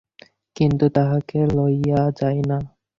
কিন্তু তাহকে লইয়া যায় না।